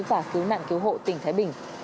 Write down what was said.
và cứu nạn cứu hộ tỉnh thái bình